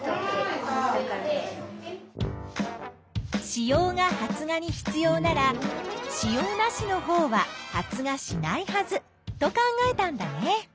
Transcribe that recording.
子葉が発芽に必要なら子葉なしのほうは発芽しないはずと考えたんだね。